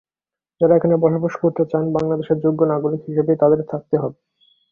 যাঁরা এখানে বসবাস করতে চান, বাংলাদেশের যোগ্য নাগরিক হিসেবেই তাঁদের থাকতে হবে।